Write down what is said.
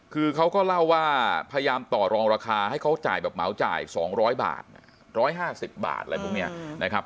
คือเขาก็เล่าว่าพยายามต่อรองราคาให้เขาจ่ายแบบเหมาจ่าย๒๐๐บาท๑๕๐บาทอะไรพวกนี้นะครับ